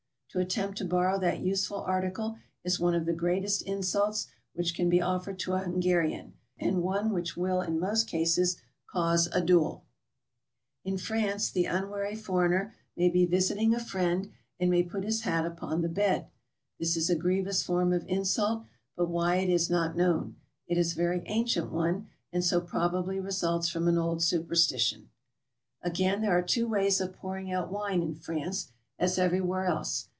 To attempt to borrow that useful article is one of the greatest insults which can be offered to a Hungarian, and one which will in most cases cause a duel. In France the unwary foreigner may be visiting a friend. PERSONALITIES. 237 and may put his hat upon the bed. This is a grievous form of insult, but why it is not known; it is a very ancient one, and so probably results from an old superstition. Again, there are two ways of pouring out wine in France, as everywhere else.